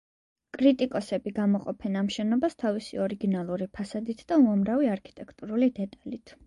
კრიტიკოსები გამოყოფენ ამ შენობას თავისი ორიგინალური ფასადით და უამრავი არქიტექტურული დეტალით.